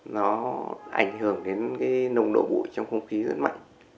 nó ảnh hưởng đến cái nồng độ bụi trong không khí rất mạnh